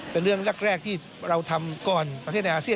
เป็นเรื่องแรกที่เราทำก่อนประเทศในอาเซียน